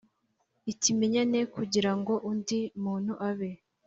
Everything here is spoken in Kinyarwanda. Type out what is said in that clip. Ikimenyane kugira ngo undi muntu abe